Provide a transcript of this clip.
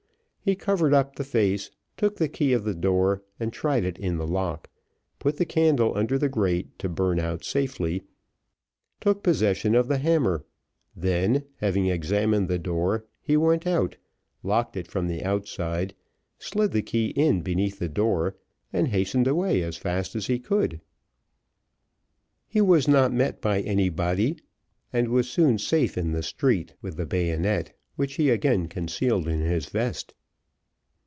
He covered up the face, took the key of the door, and tried it in the lock, put the candle under the grate to burn out safely, took possession of the hammer; then having examined the door, he went out, locked it from the outside, slid the key in beneath the door, and hastened away as fast as he could. He was not met by anybody, and was soon safe in the street, with the bayonet, which he again concealed in his vest.